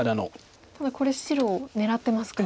ただこれ白を狙ってますか。